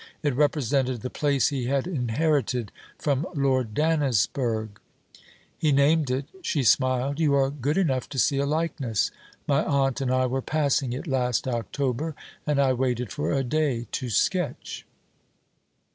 It represented the place he had inherited from Lord Dannisburgh. He named it. She smiled: 'You are good enough to see a likeness? My aunt and I were passing it last October, and I waited for a day, to sketch.'